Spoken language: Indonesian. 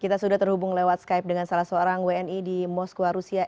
kita sudah terhubung lewat skype dengan salah seorang wni di moskwa rusia